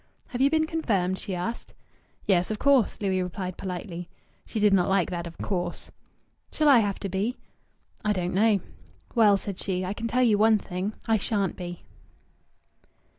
"Have you been confirmed?" she asked. "Yes, of course," Louis replied politely. She did not like that "of course." "Shall I have to be?" "I don't know." "Well," said she, "I can tell you one thing I shan't be."